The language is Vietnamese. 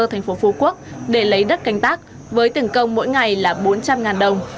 thành phố phú quốc để lấy đất canh tác với tiền công mỗi ngày là bốn trăm linh đồng